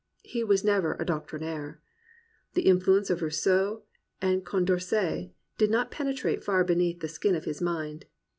He was never a doctrinaire. The influence of Rousseau and Condorcet did not pene trate far beneath the skin of his mind.